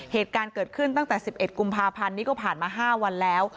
เหตุการณ์เกิดขึ้นตั้งแต่๑๑กุมภาพันธ์นี้ก็ผ่านมา๕วันแล้ว